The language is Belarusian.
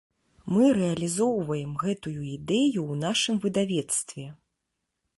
Мы рэалізоўваем гэтую ідэю ў нашым выдавецтве.